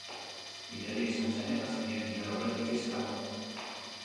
Miraria izan zen hegazkinak inor aurretik ez eramatea.